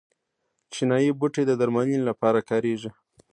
چینايي بوټي د درملنې لپاره کاریږي.